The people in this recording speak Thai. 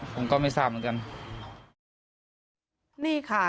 ผมก็ไม่ทราบเหมือนกัน